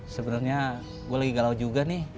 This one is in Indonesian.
sebenarnya gue lagi galau juga nih